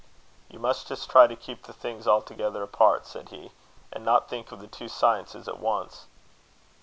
"You must just try to keep the things altogether apart," said he, "and not think of the two sciences at once."